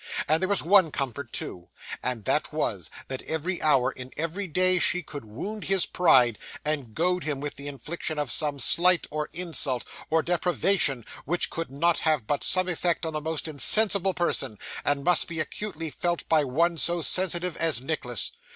And there was one comfort too; and that was, that every hour in every day she could wound his pride, and goad him with the infliction of some slight, or insult, or deprivation, which could not but have some effect on the most insensible person, and must be acutely felt by one so sensitive as Nicholas.